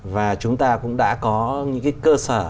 và chúng ta cũng đã có những cái cơ sở